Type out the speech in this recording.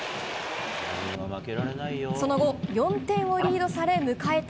その後、４点をリードされ迎えた